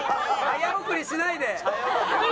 早送りしないで。